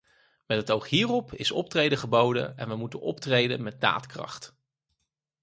Met het oog hierop is optreden geboden, en we moeten optreden met daadkracht.